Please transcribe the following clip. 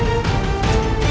tidak ada yang bisa diberi